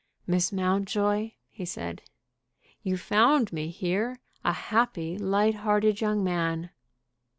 "Miss Mountjoy," he said, "you found me here a happy, light hearted young man."